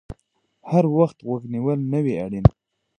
هر وخت غوږ نیول نه وي اړین